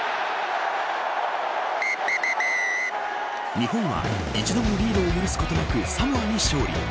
日本は、一度もリードを許すことなく、サモアに勝利。